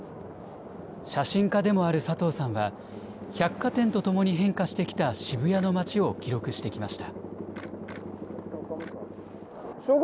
写真家でもある佐藤さんは、百貨店とともに変化してきた渋谷の街を記録してきました。